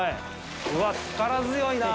うわっ、力強いな！